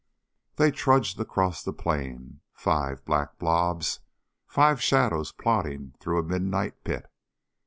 They trudged across the plain five black blobs, five shadows plodding through a midnight pit.